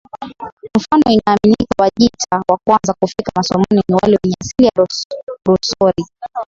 Mfano inaaminika Wajita wa kwanza kufika Musoma ni wale wenye asili ya Rusori